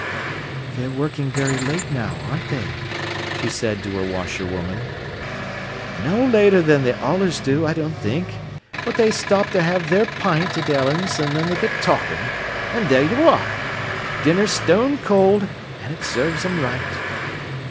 "They're working very late now, aren't they?" she said to her washer woman. "No later than they allers do, I don't think. But they stop to have their pint at Ellen's, an' they get talkin', an' there you are! Dinner stone cold—an' it serves 'em right."